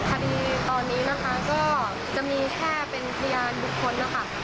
ท่านที่ตอนนี้นะคะก็จะมีแค่เป็นพิญญาณทุกคนนะคะ